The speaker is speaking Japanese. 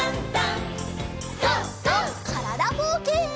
からだぼうけん。